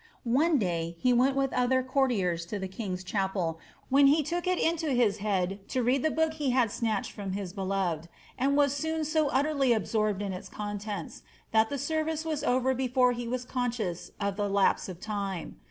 One day he went with other courtiers to the king's chapel, when he took it into his head to read the book he had snatched from his beloved, and was soon so utterly absorbed in its contents, that the service was over before he wu conscious of the lapse of time.